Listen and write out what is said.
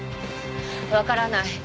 わからない。